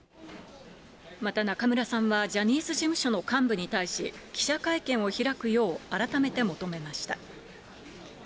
また中村さんは、ジャニーズ事務所の幹部に対し、記者会見を開くよう改めて求めました。